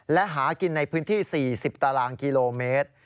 และหากินในพื้นที่๔๐ตารางกิโลเมตร